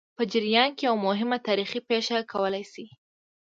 په جریان کې یوه مهمه تاریخي پېښه کولای شي.